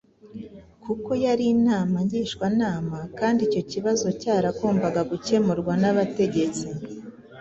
kuko yari Inama ngishwanama kandi Icyo kibazo cyaragombaga gukemurwa n'Abategetsi